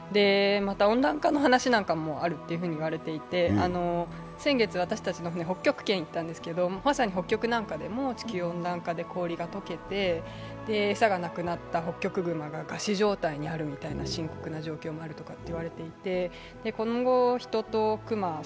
温暖化の話なんかもあるといわれていて、先月、私たちの船、北極圏に行ったんですけど、まさに北極でも地球温暖化で氷が溶けて、氷が解けて、餌がなくなったホッキョクグマが餓死状態になるという深刻な状況があって・